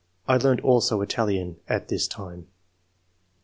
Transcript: I learnt also Italian at this time."